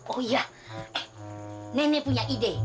oh iya eh nenek punya ide